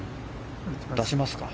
出しますか。